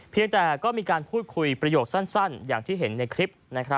เพียงแต่ก็มีการพูดคุยประโยคสั้นอย่างที่เห็นในคลิป